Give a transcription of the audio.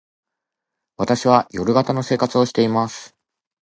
私は夜型の生活をしています。